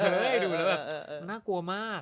ดูแล้วแบบมันน่ากลัวมาก